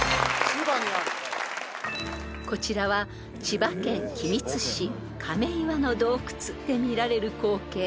［こちらは千葉県君津市亀岩の洞窟で見られる光景］